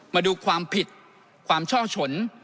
มาดูความผิดความช่อฉน